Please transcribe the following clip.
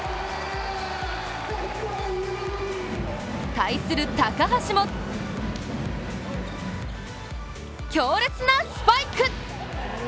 対する高橋も強烈なスパイク；。